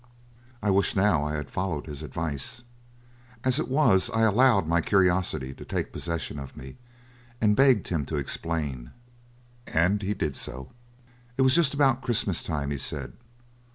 I wish now I had followed his advice. As it was, I allowed my curiosity to take possession of me, and begged him to explain. And he did so. "It was just about Christmas time," he said.